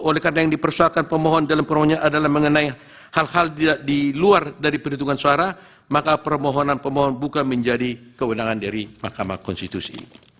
oleh karena yang dipersoalkan pemohon dalam permohonannya adalah mengenai hal hal di luar dari perhitungan suara maka permohonan pemohon bukan menjadi kewenangan dari mahkamah konstitusi